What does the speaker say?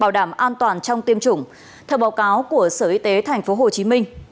bảo đảm an toàn trong tiêm chủng theo báo cáo của sở y tế tp hcm